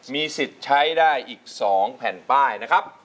มีสิทธิ์ใช้ได้อีก๒แผ่นป้ายนะครับ